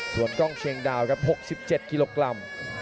ส่วนกล้องเชียงดาวครับ๖๗กิโลกรัม